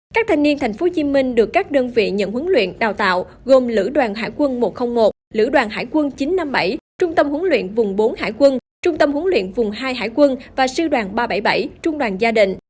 các thanh niên tp hcm được các đơn vị nhận huấn luyện đào tạo gồm lữ đoàn hải quân một trăm linh một lữ đoàn hải quân chín trăm năm mươi bảy trung tâm huấn luyện vùng bốn hải quân trung tâm huấn luyện vùng hai hải quân và sư đoàn ba trăm bảy mươi bảy trung đoàn gia đình